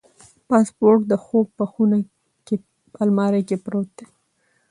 پاسپورت د خوب په خونه کې په المارۍ کې دی.